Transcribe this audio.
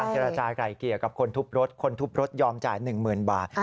จะจ่ายไกลเกลี่ยกับคนทุบรถคนทุบรถยอมจ่ายหนึ่งหมื่นบาท